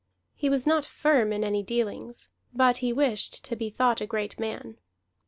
He was not firm in any dealings, but he wished to be thought a great man.